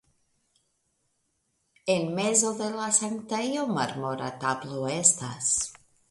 En mezo de la sanktejo marmora tablo estas.